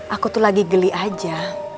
aku tuh lagi geli aja